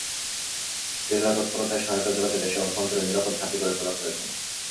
Guerrilla তত্পরতায় সহায়তা জোগাতে দেশের অভ্যন্তরে নিরাপদ ঘাঁটি গড়ে তোলা প্রয়োজন।